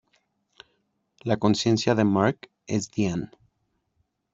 La conciencia de Mark es Diane.